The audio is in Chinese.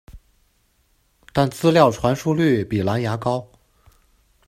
但资料传输率比蓝牙高。